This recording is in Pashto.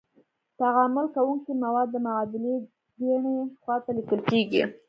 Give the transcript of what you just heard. تعامل کوونکي مواد د معادلې کیڼې خواته لیکل کیږي.